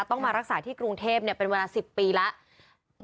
ต้องมารักษาที่กรุงเทพฯเนี่ยเป็นเวลาสิบปีแล้ว